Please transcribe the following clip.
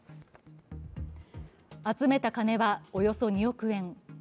集めた金はおよそ２億円。